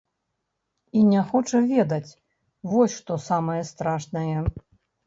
І не хоча ведаць, вось што самае страшнае.